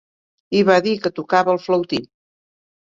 I va dir que tocava el flautí.